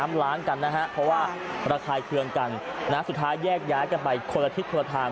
เพราะว่าระทายเครื่องกันสุดท้ายแยกย้ายกันไปคนละทิศคนละทาง